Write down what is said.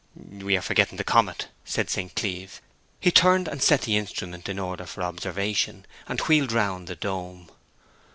'We are forgetting the comet,' said St. Cleeve. He turned, and set the instrument in order for observation, and wheeled round the dome.